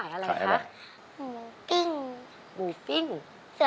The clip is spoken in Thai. แล้วน้องใบบัวร้องได้หรือว่าร้องผิดครับ